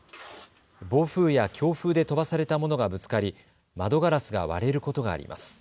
暴風や強風で飛ばされたものがぶつかり窓ガラスが割れることがあります。